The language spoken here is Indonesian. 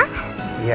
salam minum ya